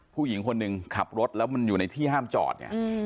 ผู้หญิงคนหนึ่งขับรถแล้วมันอยู่ในที่ห้ามจอดเนี่ย